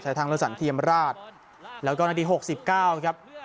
ใส่ทางเรือสันเทียมราชแล้วก็นาทีหกสิบเก้าครับ